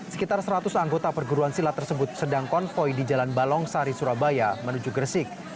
sekitar seratus anggota perguruan silat tersebut sedang konvoy di jalan balong sari surabaya menuju gresik